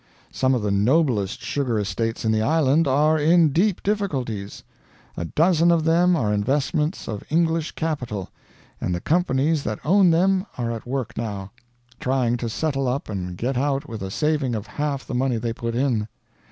Some of the noblest sugar estates in the island are in deep difficulties. A dozen of them are investments of English capital; and the companies that own them are at work now, trying to settle up and get out with a saving of half the money they put in.